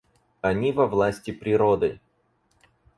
Они во власти природы.